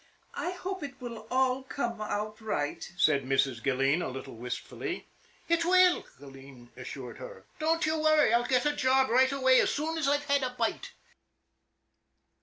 " I hope it will all come out right," said Mrs. Gilleen, a little wistfully. " It will," Gilleen assured her. " Don't you worry. I'll get after a job right away as soon as I've had a bite."